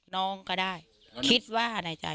น้องก็ได้คิดว่าในใจ